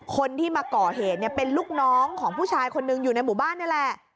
คนที่มาก่อเหตุเนี่ยเป็นลูกน้องของผู้ชายคนหนึ่งอยู่ในหมู่บ้านนี่แหละ